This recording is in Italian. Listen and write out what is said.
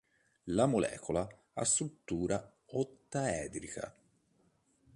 La molecola ha struttura ottaedrica.